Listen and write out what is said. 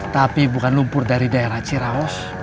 tapi bukan lumpur dari daerah cirawas